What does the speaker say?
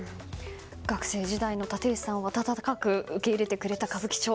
学生時代の立石さんを温かく受け入れてくれた歌舞伎町。